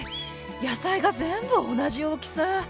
野菜が全部同じ大きさ！